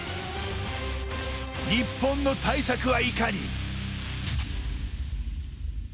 日本の対策は、いかに。